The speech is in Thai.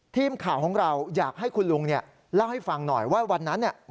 ทีมข่าวของเราอยากให้คุณลุงเล่าให้ฟังหน่อยว่าวันนั้นเนี่ย